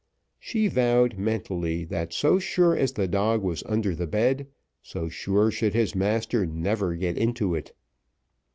She vowed mentally, that so sure as the dog was under the bed, so sure should his master never get into it.